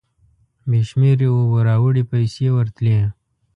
بې شمېرې اوبو راوړې پیسې ورتلې.